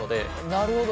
なるほど。